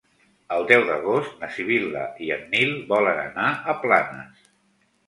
El deu d'agost na Sibil·la i en Nil volen anar a Planes.